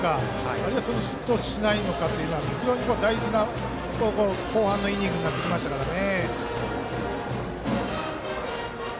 あるいは失投しないのかというのは大事な後半のイニングになってきましたからね。